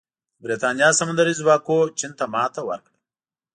د برېټانیا سمندري ځواکونو چین ته ماتې ورکړه.